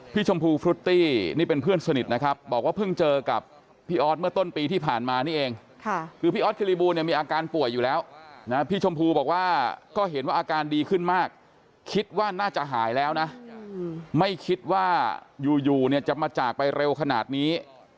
ชมพูฟรุตตี้นี่เป็นเพื่อนสนิทนะครับบอกว่าเพิ่งเจอกับพี่ออสเมื่อต้นปีที่ผ่านมานี่เองคือพี่ออสคิริบูเนี่ยมีอาการป่วยอยู่แล้วนะพี่ชมพูบอกว่าก็เห็นว่าอาการดีขึ้นมากคิดว่าน่าจะหายแล้วนะไม่คิดว่าอยู่เนี่ยจะมาจากไปเร็วขนาดนี้